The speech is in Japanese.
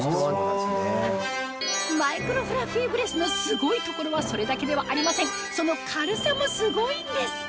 マイクロフラッフィーブレスのすごいところはそれだけではありませんその軽さもすごいんです！